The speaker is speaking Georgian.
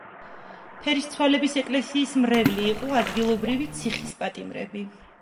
ფერისცვალების ეკლესიის მრევლი იყო ადგილობრივი ციხის პატიმრები.